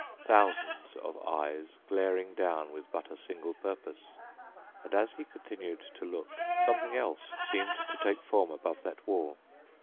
Thousands of eyes glaring down with but a single purpose. And as he continued to look, something else seemed to take form above that wall.